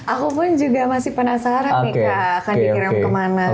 aku pun juga masih penasaran nih kak akan dikirim kemana